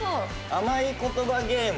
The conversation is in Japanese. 甘い言葉ゲーム？